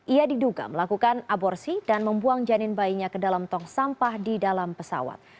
ia diduga melakukan aborsi dan membuang janin bayinya ke dalam tong sampah di dalam pesawat